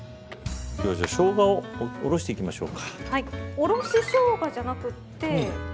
しょうがをおろしていきましょうか。